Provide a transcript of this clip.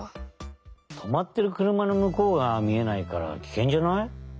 とまってるくるまのむこうがみえないからきけんじゃない？